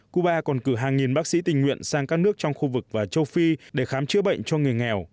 cuba còn cử hàng nghìn bác sĩ tình nguyện sang các nước trong khu vực và châu phi để khám chữa bệnh cho người nghèo